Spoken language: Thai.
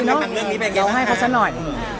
เราให้เขาซักหน่อย